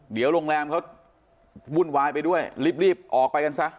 เดี๋ยวโรงแรมเขาวุ่นวายไปด้วยรีบออกไปกันซะ